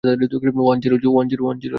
One, zero, one, zero, zero!